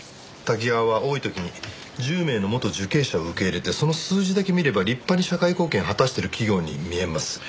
タキガワは多い時に１０名の元受刑者を受け入れてその数字だけ見れば立派に社会貢献を果たしている企業に見えます。